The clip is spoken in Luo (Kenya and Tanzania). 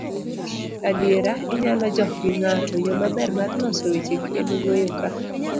adiera, inyalo jok gi ng'ato. yo maber mar loso wechegi en wuoyo ka